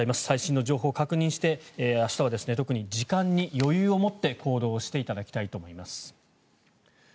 最新の情報を確認して明日は特に時間に余裕を持って行動していただきたいと思います。